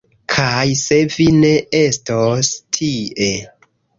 Kaj se vi ne estos tie!